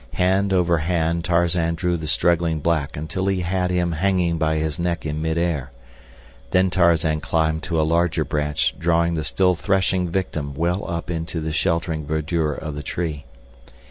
Hand over hand Tarzan drew the struggling black until he had him hanging by his neck in mid air; then Tarzan climbed to a larger branch drawing the still threshing victim well up into the sheltering verdure of the tree.